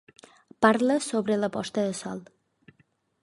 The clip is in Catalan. Parla sobre la posta de sol.